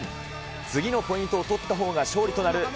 次のポイントを取ったほうが勝利となる、どうか。